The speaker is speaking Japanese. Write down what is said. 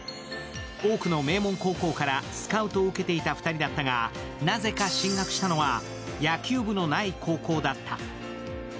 多くの名門高校からスカウトを受けていた２人だったがなぜか進学したのは野球部のない高校だった。